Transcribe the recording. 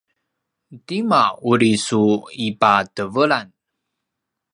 tima uri su ipatevelan?